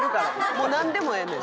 もうなんでもええねん。